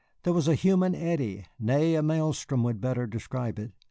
There was a human eddy, nay, a maelstrom would better describe it.